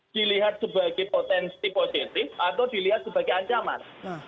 dilihat sebagai potensi positif atau dilihat sebagai ancaman